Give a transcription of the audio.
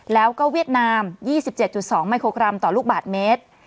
แล้วก็เวียดนาม๒๗๒มิโครกรัมต่อลูกบาทเมตร